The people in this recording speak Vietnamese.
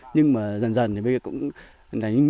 nhưng mà dần dần thì cũng như